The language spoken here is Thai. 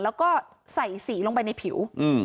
แล้วก็ใส่สีลงไปในผิว